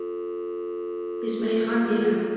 اسمعيل خان ديره